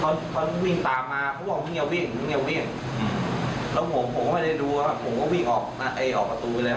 ผมก็วิ่งออกประตูเลยครับ